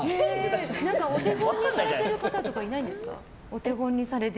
お手本にされてる方とかいないんですか？